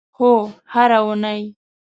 هو، هره اونۍ